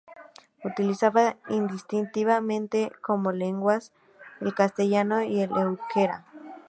Utilizaba indistintamente como lenguas el castellano y el euskera.